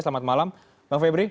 selamat malam bang febri